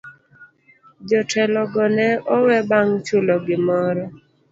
Jotelo go ne owe bang' chulo gimoro.